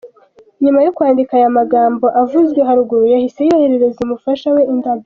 Nyuma yo kwandika aya magambo avuzwe haruguru, yahise yoherereza umufasha we indabyo.